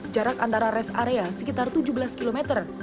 jarak antara rest area sekitar tujuh belas km